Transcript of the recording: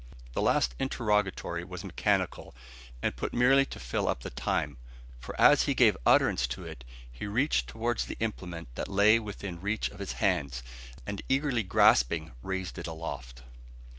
The last interrogatory was mechanical, and put merely to fill up the time; for as he gave utterance to it he reached towards the implement that lay within reach of his hands, and eagerly grasping raised it aloft.